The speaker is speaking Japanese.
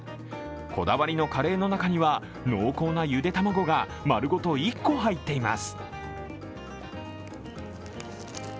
こだわりのカレーの中には濃厚なゆで卵が丸ごと１個入っています。